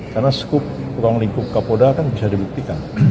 karena skup kurang lingkup kapoda kan bisa dibuktikan